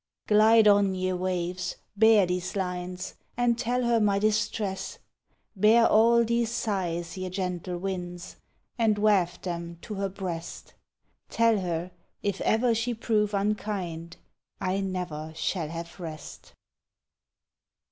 Glide on ye waves, bear these lines, And tell her my distress; Bear all these sighs, ye gentle winds, And waft them to her breast; Tell her if e'er she prove unkind, I never shall have rest.